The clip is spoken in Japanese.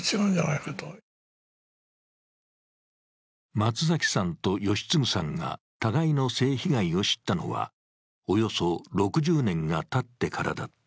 松崎さんと吉次さんが互いの性被害を知ったのはおよそ６０年がたってからだった。